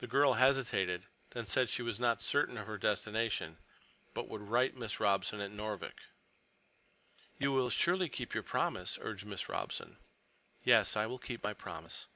The girl hesitated, then said she was not certain of her destination, but would write Miss Robson at Noorvik. "You will surely keep your promise?" urged Miss Robson. "Yes, I will keep my promise."